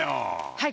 はい。